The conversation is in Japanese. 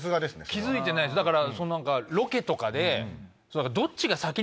気付いてないですだからロケとかで。